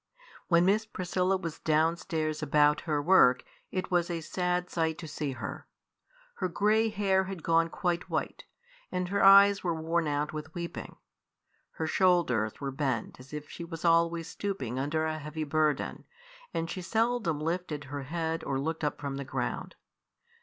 When Miss Priscilla was downstairs about her work it was a sad sight to see her. Her grey hair had gone quite white, and her eyes were worn out with weeping. Her shoulders were bent as if she was always stooping under a heavy burden, and she seldom lifted her head or looked up from the ground.